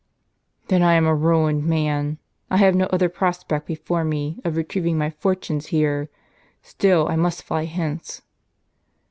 " Then I am a ruined man. I have no other prospect before me, of retrieving my fortunes here. Still I must fly hence."